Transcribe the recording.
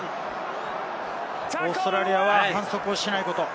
オーストラリアは反則をしないこと。